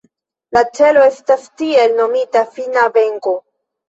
La celo estas tiel nomita fina venko.